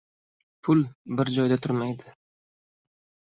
• Pul bir joyda turmaydi.